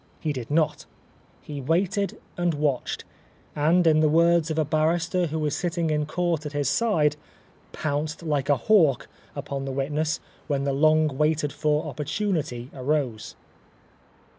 He did not. He waited and watched, and in the words of a barrister who was sitting in court at his side, "pounced like a hawk," upon the witness when the long waited for oppor tunity arose.